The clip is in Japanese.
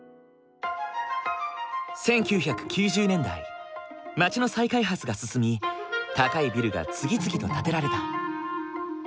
１９９０年代街の再開発が進み高いビルが次々と建てられた。